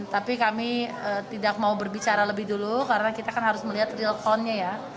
tapi kami tidak mau berbicara lebih dulu karena kita kan harus melihat real countnya ya